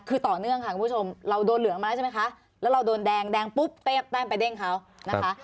คือต่อเนื่องค่ะคุณผู้ชมเราโดนเหลืองมาแล้วใช่ไหมคะแล้วเราโดนแดงแดงปุ๊บแต้มไปเด้งเขานะคะ